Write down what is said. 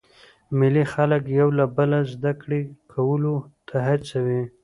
مېلې خلک یو له بله زده کړي کولو ته هڅوي.